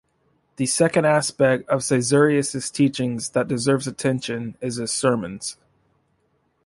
The second aspect of Caesarius's teaching that deserves attention is his sermons.